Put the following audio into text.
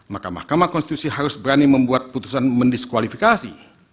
maka mahkamah konstitusi harus berani membuat putusan mendiskualifikasi